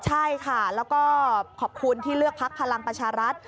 ใช่ค่ะแล้วก็ขอบคุณที่เลือกพักพลังประชารัฐ